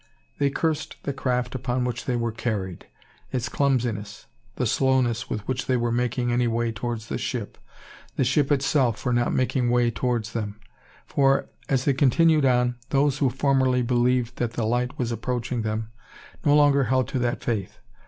They cursed the craft upon which they were carried, its clumsiness, the slowness with which they were making way towards the ship, the ship itself, for not making way towards them: for, as they continued on, those who formerly believed that the light was approaching them, no longer held to that faith.